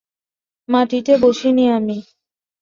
মাটিতে বসিনি আমি।